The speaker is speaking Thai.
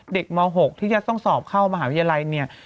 ม๖ที่จะต้องสอบเข้ามหาวิทยาลัยเนี่ย